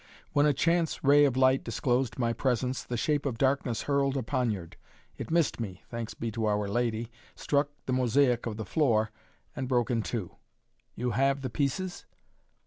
When a chance ray of light disclosed my presence the shape of darkness hurled a poniard. It missed me, thanks be to Our Lady, struck the mosaic of the floor and broke in two." "You have the pieces?"